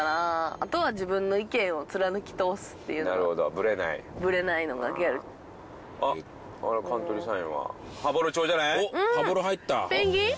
あとは自分の意見を貫き通すっていうのがなるほどブレないブレないのがギャルあっあれカントリーサインはおっ羽幌入ったペンギン？